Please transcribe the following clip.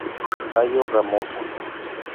Tallo ramoso.